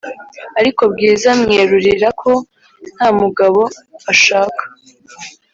Ariko bwiza mwerurira ko ntamugabo ashaka